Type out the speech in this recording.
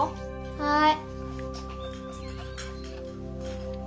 はい。